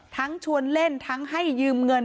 ชวนเล่นทั้งให้ยืมเงิน